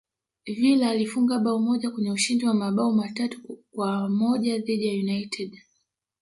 villa alifunga bao moja kwenye ushindi wa mabao matatu kwa moja dhidi ya united